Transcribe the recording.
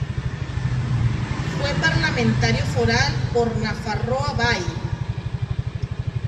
Fue parlamentario foral por Nafarroa Bai.